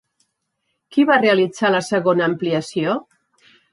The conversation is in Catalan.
Qui va realitzar la segona ampliació?